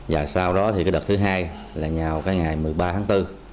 và sau đó thì cái đợt thứ hai là vào cái ngày một mươi ba tháng bốn